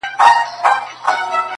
• سړی راوستی عسکرو و قاضي ته..